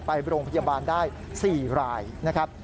ไปโรงพยาบาลได้๔รายนะครับ